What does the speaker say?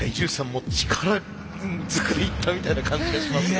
もう力ずくでいったみたいな感じがしますね。